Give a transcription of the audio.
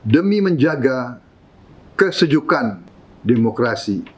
demi menjaga kesejukan demokrasi